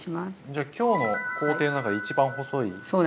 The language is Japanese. じゃあ今日の工程の中で一番細い感じですね。